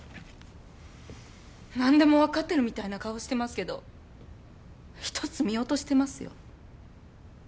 何でも分かってるみたいな顔してますけど一つ見落としてますよ